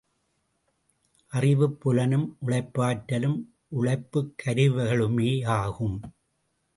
அறிவுப்புலனும் உழைப்பாற்றலும், உழைப்புக் கருவிகளுமேயாகும்.